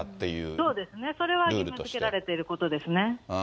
そうですね、それは義務づけられていることですね。